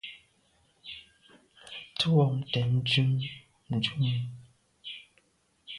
Tu am tshwèt ndume.